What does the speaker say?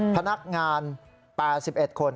พนักงาน๘๑คน